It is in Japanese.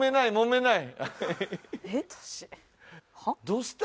どうした？